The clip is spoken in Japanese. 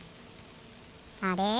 あれ？